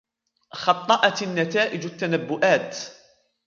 خَطَّأتِ النتائجُ التنبؤاتِ.